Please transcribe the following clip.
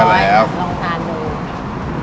ลองทานดู